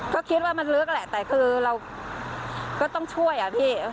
ก็คิดว่ามันลึกแหละแต่คือเราก็ต้องช่วยอ่ะพี่